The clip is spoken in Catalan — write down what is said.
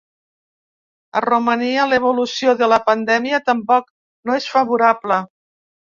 A Romania l’evolució de la pandèmia tampoc no és favorable.